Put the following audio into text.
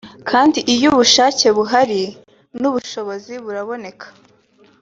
kandi iyo ubushake buhari n’ubushobozi buraboneka